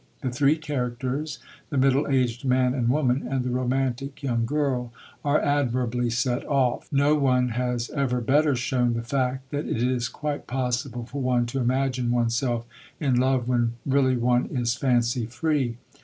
The three characters, the middle aged man and woman, and the romantic young girl, are admirably set off; no one has ever better shown the fact that it is quite possible for one to imagine oneself in love when really one is fancy free.